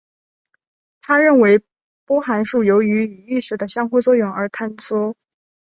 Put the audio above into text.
他认为波函数由于与意识的相互作用而坍缩。